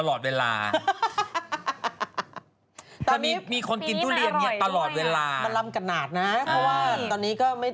เราเอาไปแกงก็ได้ไหม